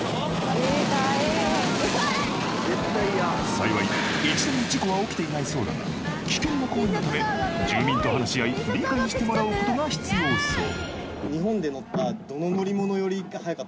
幸い一度も事故は起きていないそうだが危険な行為のため住民と話し合い理解してもらうことが必要そう